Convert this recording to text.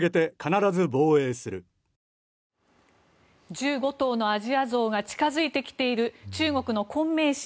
１５頭のアジアゾウが近付いてきている中国の昆明市。